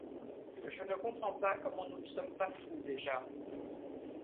Je ne comprends pas comment nous ne sommes pas fous déjà!